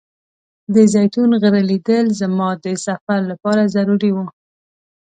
د زیتون غره لیدل زما د سفر لپاره ضروري و.